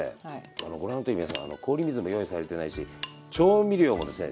あのご覧になってる皆さん氷水も用意されてないし調味料もですね